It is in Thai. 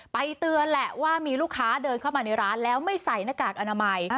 เตือนแหละว่ามีลูกค้าเดินเข้ามาในร้านแล้วไม่ใส่หน้ากากอนามัย